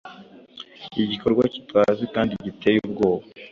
Igikorwa kitazwi kandi giteye ubwoba